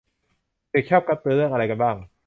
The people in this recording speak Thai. เด็กชอบการ์ตูนเรื่องอะไรกันบ้าง